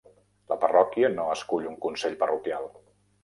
La parròquia no escull un consell parroquial.